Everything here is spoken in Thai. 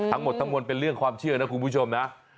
ทั้งหมดทั้งมวลเป็นเรื่องความเชื่อนะคุณผู้ชมนะ